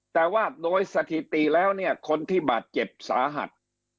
แต่ว่าโดยสถิติแล้วเนี่ยคนที่บาดเจ็บสาหัส